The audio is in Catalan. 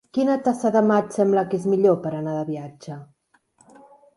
Quina tassa de mà et sembla que és millor per anar de viatge?